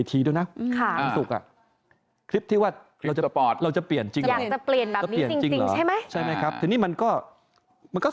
มันก็สุดไปหน่อยเหมือนกันนะ